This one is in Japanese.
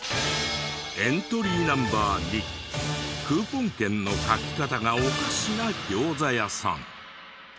エントリーＮｏ．２クーポン券の書き方がおかしな餃子屋さん。